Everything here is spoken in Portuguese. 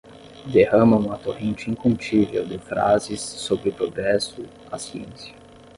derrama uma torrente incontível de frases sobre o progresso, a ciência